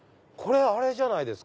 これあれじゃない？